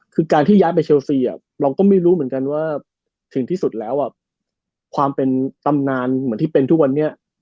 คือการที่ย้ายไปเชลซีเราก็ไม่รู้เหมือนกันว่าถึงที่สุดแล้วความเป็นตำนานเหมือนที่เป็นทุกวันนี้